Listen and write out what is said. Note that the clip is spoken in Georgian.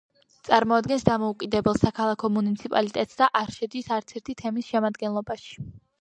წარმოადგენს დამოუკიდებელ საქალაქო მუნიციპალიტეტს და არ შედის არც ერთი თემის შემადგენლობაში.